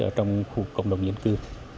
ở trong khu cộng đồng nhiên cư